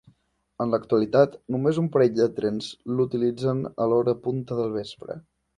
En l'actualitat, només un parell de trens l'utilitzen a l'hora punta del vespre.